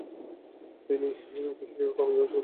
তিনি উকিল হিসেবে কর্মজীবন শুরু করেন।